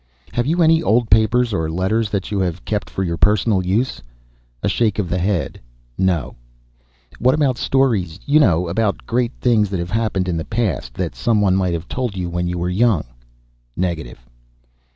"Have you any old papers or letters that you have kept for your personal use?" A shake of the head, no. "What about stories you know, about great things that have happened in the past, that someone might have told you when you were young?" Negative.